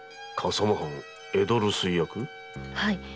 はい。